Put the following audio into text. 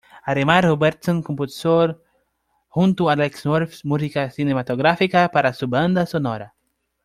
Además, Robertson compuso junto a Alex North música cinematográfica para su banda sonora.